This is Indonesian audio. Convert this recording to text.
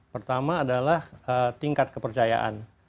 pertama adalah tingkat kepercayaan